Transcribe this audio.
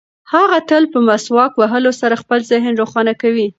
هغه تل په مسواک وهلو سره خپل ذهن روښانه کوي.